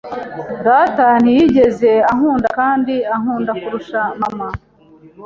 Data ntiyigeze ankunda kandi ankunda kurusha mama.